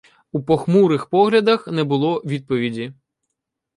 У похмурих поглядах не було відповіді.